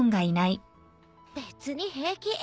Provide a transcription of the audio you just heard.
別に平気。